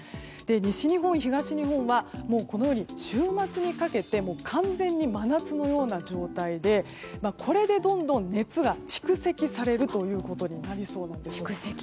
西日本、東日本はこのように週末にかけて完全に真夏のような状態でこれでどんどん熱が蓄積されるということになりそうなんです。